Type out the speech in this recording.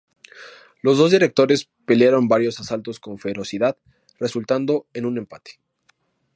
Los dos directores pelearon varios asaltos con ferocidad, resultando en un empate.